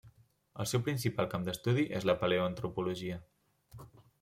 El seu principal camp d'estudi és la paleoantropologia.